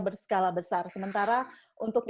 berskala besar sementara untuk